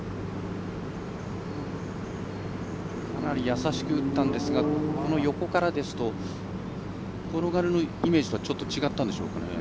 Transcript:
優しく打ったんですが横からですと転がるイメージがちょっと違ったんでしょうか。